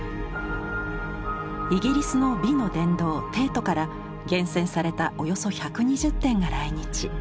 イギリスの美の殿堂テートから厳選されたおよそ１２０点が来日。